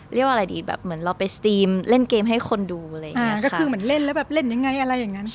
เรียกว่าอะไรดี